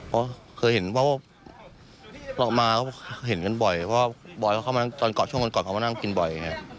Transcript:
เพราะเคยเห็นว่าเรามาเขาเห็นกันบ่อยเพราะว่าบอยเขาเข้ามานั่งกินบ่อย